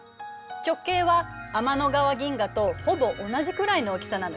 直径は天の川銀河とほぼ同じくらいの大きさなのよ。